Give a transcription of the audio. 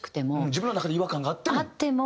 自分の中で違和感があっても。